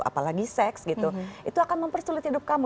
apalagi seks gitu itu akan mempersulit hidup kamu